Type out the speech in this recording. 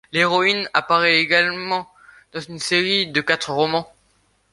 L'héroïne apparaît également dans une série de quatre romans.